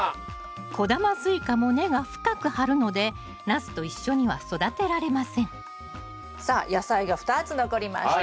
小玉スイカも根が深く張るのでナスと一緒には育てられませんさあ野菜が２つ残りました。